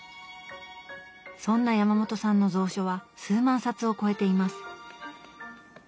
そんな山本さんの蔵書は数万冊を超えています。